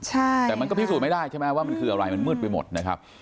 ใช่แต่มันก็พิสูจน์ไม่ได้ใช่ไหมว่ามันคืออะไรมันมืดไปหมดนะครับ